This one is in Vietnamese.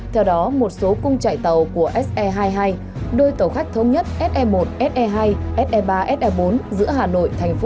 theo đó một số cung chạy tàu của se hai mươi hai đôi tàu khách thống nhất se một se hai se ba se bốn giữa hà nội tp hcm